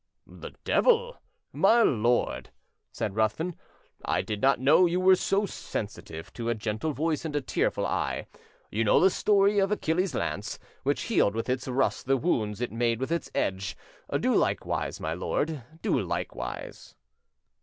"The devil! my lord," said Ruthven. "I did not know you were so sensitive to a gentle voice and a tearful eye; you know the story of Achilles' lance, which healed with its rust the wounds it made with its edge: do likewise my lord, do likewise."